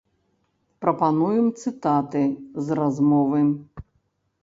Прапануем цытаты з размовы.